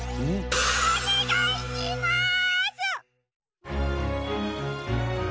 おねがいします！